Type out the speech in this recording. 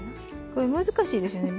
これ難しいですよね